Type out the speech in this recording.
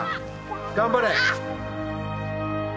頑張れ。